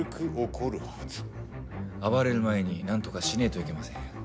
暴れる前になんとかしねえといけません。